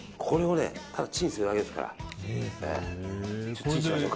これをただチンするだけですから。